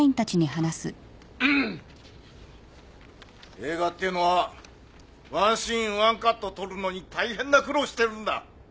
映画っていうのはワンシーンワンカット撮るのに大変な苦労をしてるんだ。